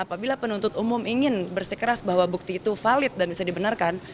apabila penuntut umum ingin bersikeras bahwa bukti itu valid dan bisa dibenarkan